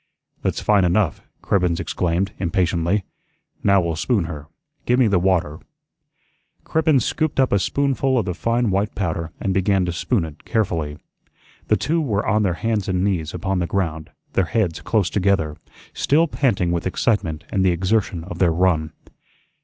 "That's fine enough," Cribbens exclaimed, impatiently. "Now we'll spoon her. Gi' me the water." Cribbens scooped up a spoonful of the fine white powder and began to spoon it carefully. The two were on their hands and knees upon the ground, their heads close together, still panting with excitement and the exertion of their run.